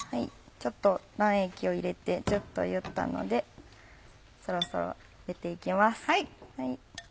ちょっと卵液を入れてジュっといったのでそろそろ入れて行きます。